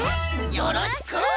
よろしく！